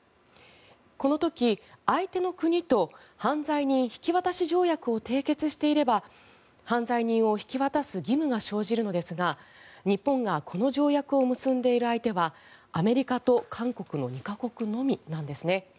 この時、相手の国と犯罪人引渡し条約を締結していれば犯罪人を引き渡す義務が生じるのですが日本がこの条約を結んでいる相手はアメリカと韓国の２か国のみなんですね。